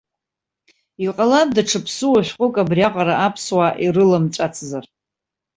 Иҟалап даҽа ԥсыуа шәҟәык абриаҟара аԥсуаа ирыламҵәацзар.